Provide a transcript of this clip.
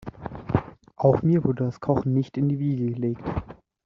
Auch mir wurde das Kochen nicht in die Wiege gelegt.